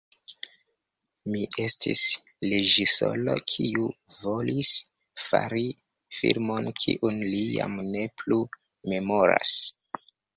Mi estis reĝisoro kiu volis fari filmon kiun li jam ne plu memoras.